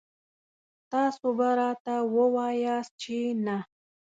تاسو به راته وواياست چې نه.